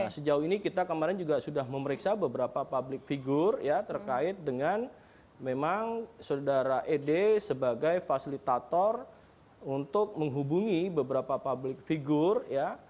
nah sejauh ini kita kemarin juga sudah memeriksa beberapa public figure ya terkait dengan memang saudara ed sebagai fasilitator untuk menghubungi beberapa public figure ya